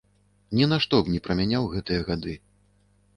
Ні на што б не прамяняў гэтыя гады.